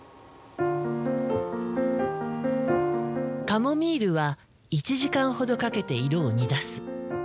カモミールは１時間ほどかけて色を煮出す。